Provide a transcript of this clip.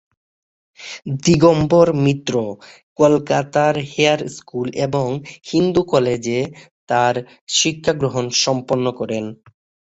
দিগম্বর মিত্র কলকাতার Hare School এবং হিন্দু কলেজে তাঁর শিক্ষাগ্রহণ সম্পন্ন করেন।